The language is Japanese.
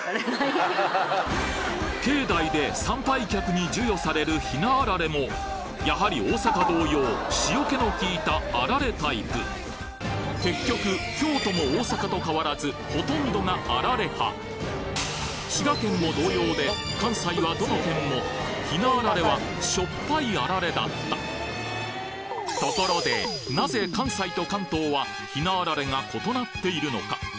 境内で参拝客に授与されるひなあられもやはり大阪同様塩気のきいたあられタイプ結局京都も大阪と変わらずほとんどがあられ派滋賀県も同様で関西はどの県もひなあられは塩っぱいあられだったところで大阪のひなあられ